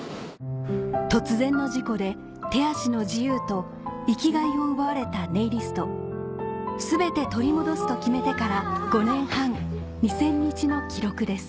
突然の事故で手足の自由と生きがいを奪われたネイリスト全て取り戻すと決めてから５年半２０００日の記録です